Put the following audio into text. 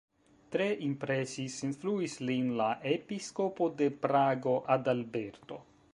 Tre impresis, influis lin la episkopo de Prago, Adalberto.